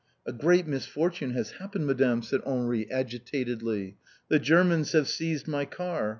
"A great misfortune has happened, Madame!" said Henri, agitatedly. "The Germans have seized my car.